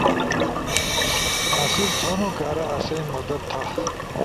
حاصل تھو کارا آسئی مدد تھا